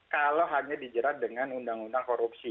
kalau hanya dijerat dengan undang undang korupsi